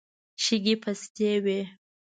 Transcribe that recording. شګې پستې وې.